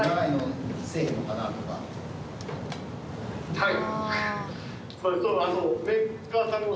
はい。